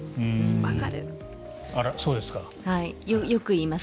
あら、そうですか？